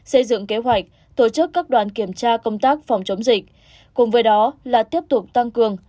xây dựng kế hoạch tổ chức các đoàn kiểm tra công tác phòng chống dịch cùng với đó là tiếp tục tăng cường